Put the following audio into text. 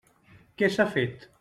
Què s'ha fet?